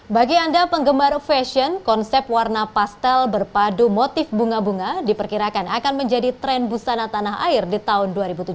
bagi anda penggemar fashion konsep warna pastel berpadu motif bunga bunga diperkirakan akan menjadi tren busana tanah air di tahun dua ribu tujuh belas